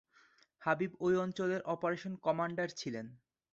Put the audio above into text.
হাবিব ওই অঞ্চলের operation commander ছিলেন।